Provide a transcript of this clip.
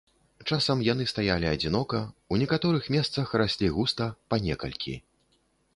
Часам яны стаялі адзінока, у некаторых месцах раслі густа па некалькі.